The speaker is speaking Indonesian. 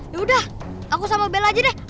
yaudah aku sama bella aja deh